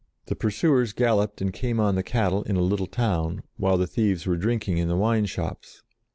The pursuers galloped and came on the HER CHILDHOOD 7 cattle in a little town, while the thieves were drinking in the wine shops.